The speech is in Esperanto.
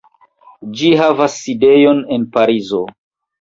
Ĝi havas sidejon en Parizo.